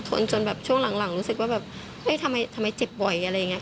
จนแบบช่วงหลังรู้สึกว่าแบบเฮ้ยทำไมเจ็บบ่อยอะไรอย่างนี้